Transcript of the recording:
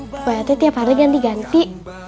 pokoknya teh tiap hari ganti ganti